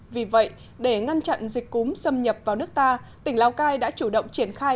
vì vậy để ngăn chặn dịch cúm xâm nhập vào nước ta tỉnh lào cai đã chủ động triển khai